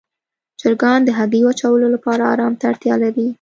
چرګان د هګیو اچولو لپاره آرام ته اړتیا لري.